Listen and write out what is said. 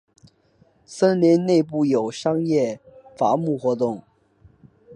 森林内有部分商业伐木活动。